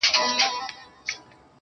• ستا د ژبې کيفيت او معرفت دی_